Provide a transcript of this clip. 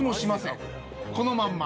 このまんま。